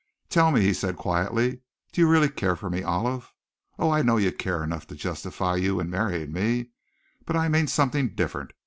"Tell me," he said quietly, "do you really care for me, Olive? Oh! I know you care enough to justify you in marrying me, but I mean something different.